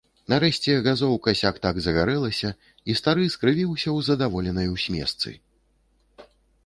Нарэшце газоўка сяк-так загарэлася, і стары скрывіўся ў здаволенай усмешцы.